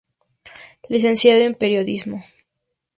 Licenciado en periodismo.